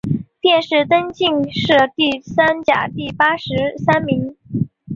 殿试登进士第三甲第八十三名。